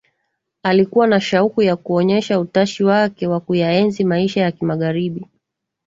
Alikua na shauku ya kuonesha utashi wake wa kuyaenzi maisha ya kimagharibi